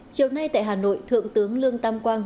chiều nay tại hà nội thượng tướng lương tam quang